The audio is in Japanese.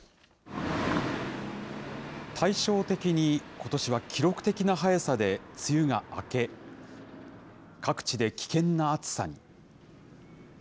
対照的にことしは記録的な早さで梅雨が明け、各地で危険な暑さに。